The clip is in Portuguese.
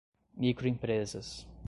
microempresas